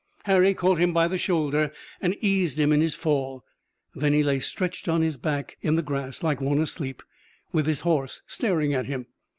Harry caught him by the shoulder and eased him in his fall. Then he lay stretched on his back in the grass like one asleep, with his horse staring at him.